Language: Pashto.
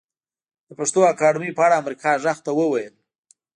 د پښتو اکاډمۍ په اړه امريکا غږ ته وويل